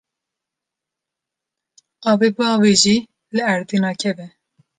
Avê biavêjî li erdê nakeve.